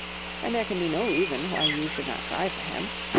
And there can be no reason why you should not try for him.